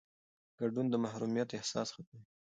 ګډون د محرومیت احساس ختموي